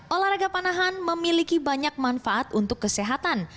olahraga panahan memiliki banyak manfaat untuk kesehatan